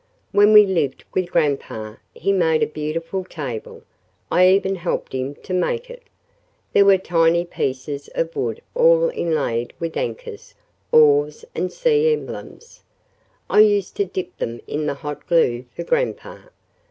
When we lived with grandpa he made a beautiful table I even helped him to make it. There were tiny pieces of wood all inlaid with anchors, oars and sea emblems. I used to dip them in the hot glue for grandpa.